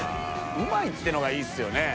うまいっていうのがいいですよね